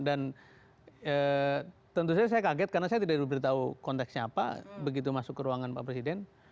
dan tentu saja saya kaget karena saya tidak diberitahu konteksnya apa begitu masuk ke ruangan pak presiden